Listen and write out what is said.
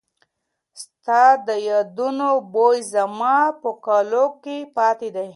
ستا د یادونو بوی زما په کالو کې پاتې دی.